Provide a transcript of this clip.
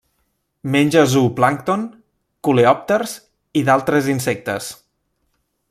Menja zooplàncton, coleòpters i d'altres insectes.